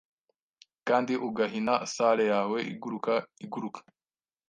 Kandi ugahina salle yawe iguruka iguruka